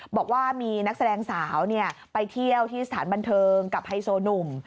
บอกว่ามีนักแสดงสาวไปเที่ยวที่สถานบันเทิงกับไฮโซหนุ่ม